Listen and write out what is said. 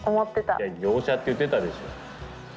いや業者って言ってたでしょ。